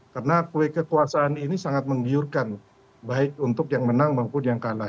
karena kekuasaan ini sangat menggiurkan baik untuk yang menang maupun yang kalah